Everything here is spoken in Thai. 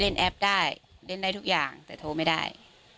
แอปได้เล่นได้ทุกอย่างแต่โทรไม่ได้